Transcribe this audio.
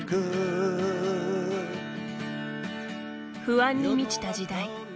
不安に満ちた時代。